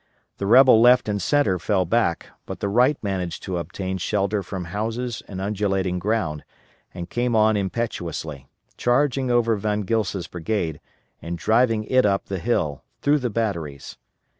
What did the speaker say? The rebel left and centre fell back, but the right managed to obtain shelter from houses and undulating ground, and came on impetuously, charging over Von Gilsa's brigade, and driving it up the hill, through the batteries.